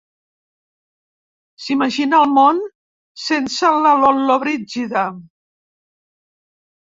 S'imagina el món sense la Llollobrigida.